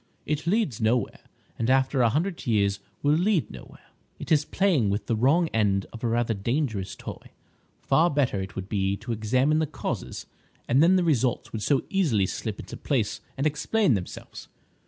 "It leads nowhere, and after a hundred years will lead nowhere. It is playing with the wrong end of a rather dangerous toy. Far better, it would be, to examine the causes, and then the results would so easily slip into place and explain themselves.